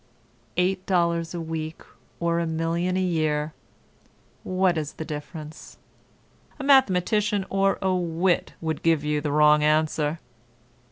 Eight dollars a week or a million a year—what is the difference? A mathematician or a wit would give you the wrong answer.